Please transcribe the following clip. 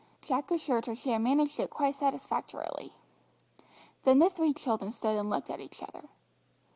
Jack assured her she had managed it quite satisfactorily. Then the three children stood and looked at each other.